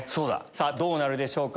どうなるでしょうか？